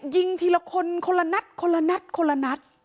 ยิงทีละคนคนละนัดคนละนัดคนละนัด